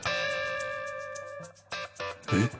えっ？